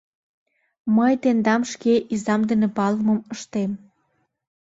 — Мый тендам шке изам дене палымым ыштем.